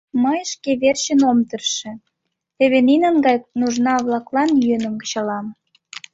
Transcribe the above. Мый шке верчем ом тырше, теве нинын гай нужна-влаклан йӧным кычалам.